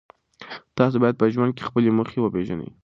تاسو باید په ژوند کې خپلې موخې وپېژنئ.